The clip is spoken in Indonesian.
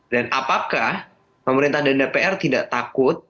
dan apakah pemerintah dan dpr tidak takut